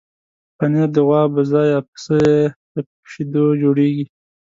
پنېر د غوا، بزه یا پسې له شیدو جوړېږي.